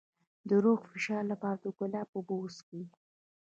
د روحي فشار لپاره د ګلاب اوبه وڅښئ